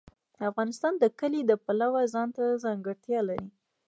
افغانستان د کلي د پلوه ځانته ځانګړتیا لري.